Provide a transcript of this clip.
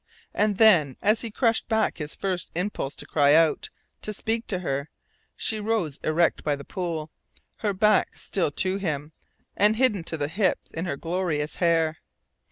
And then, as he crushed back his first impulse to cry out, to speak to her, she rose erect beside the pool, her back still to him, and hidden to the hips in her glorious hair.